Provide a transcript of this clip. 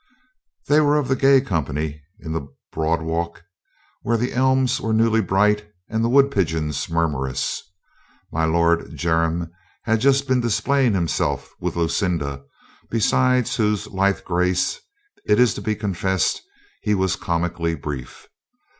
They were of the gay company in the Broad Walk where the elms were newly bright and the wood pigeons murmurous. My Lord Jermyn had just been displaying himself with Lucinda, beside whose lithe grace, it is to be confessed, he was comically brief.